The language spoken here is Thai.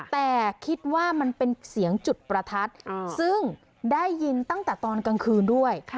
แต่คิดว่ามันเป็นเสียงจุดประทัดซึ่งได้ยินตั้งแต่ตอนกลางคืนด้วย